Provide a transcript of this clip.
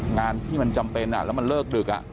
งานที่มันจำเป็นแล้วมันเลิกดึก